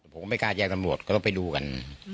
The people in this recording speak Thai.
ผมก็ไม่กล้าแจ้งตำรวจก็ต้องไปดูกัน